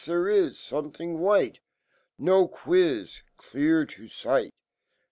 fhcre is Some thing white! ]SJb quiz ; Clear toTight.